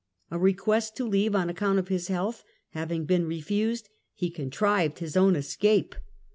A request to leave on account of his health having been refused, he contrived his own escape.